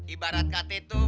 ibarat kate tuh